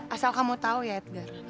asal kamu tahu ya adga